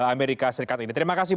amerika serikat ini terima kasih